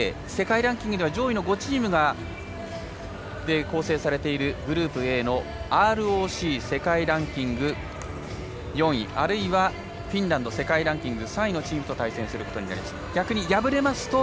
世界ランキングでは上位の５チームで構成されているグループＡ、ＲＯＣ世界ランキング４位あるいはフィンランド世界ランキング３位のチームと対戦することになります。